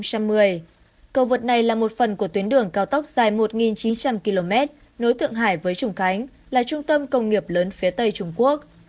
cầu vượt này là một phần của tuyến đường cao tốc dài một chín trăm linh km nối tượng hải với trùng khánh là trung tâm công nghiệp lớn phía tây trung quốc